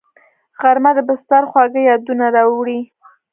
غرمه د بستر خواږه یادونه راوړي